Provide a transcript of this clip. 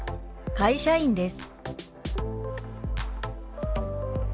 「会社員です」。